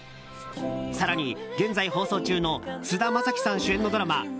更に現在放送中の菅田将暉さん主演のドラマ